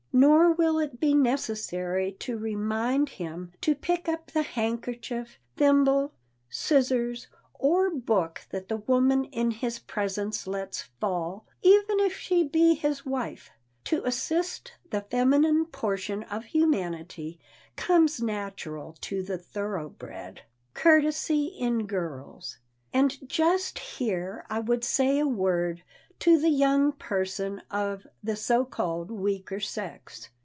Nor will it be necessary to remind him to pick up the handkerchief, thimble, scissors or book that the woman in his presence lets fall,—even if she be his wife. To assist the feminine portion of humanity comes natural to the thoroughbred. [Sidenote: COURTESY IN GIRLS] And just here I would say a word to the young person of the so called weaker sex.